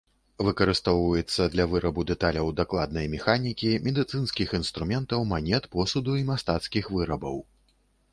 Выкарыстоўваецца для вырабу дэталяў дакладнай механікі, медыцынскіх інструментаў, манет, посуду і мастацкіх вырабаў.